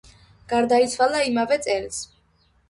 გარდაიცვალა იმავე წელს.